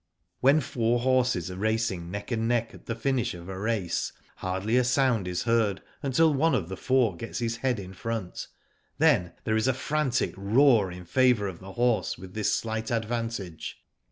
When four horses are racing neck and neck at the finish of a race, hardly a sound is heard until one of the four gets his head in front. Then there is a frantic roar in favour of the horse with this slight advantage.